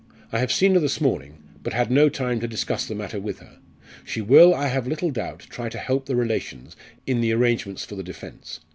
I have seen her this morning, but had no time to discuss the matter with her. She will, I have little doubt, try to help the relations in the arrangements for the defence.